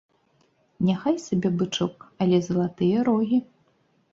Няхай сабе бычок, але залатыя рогі.